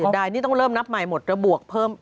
ได้นี่ต้องเริ่มนับใหม่หมดแล้วบวกเพิ่ม